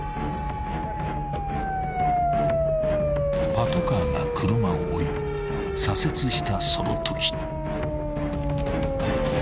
［パトカーが車を追い左折したそのとき］